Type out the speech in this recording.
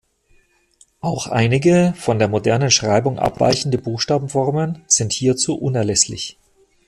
Auch einige von der modernen Schreibung abweichende Buchstabenformen sind hierzu unerlässlich.